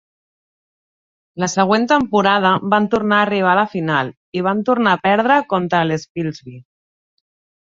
La següent temporada van tornar a arribar a la final, i van tornar a perdre contra l'Spilsby.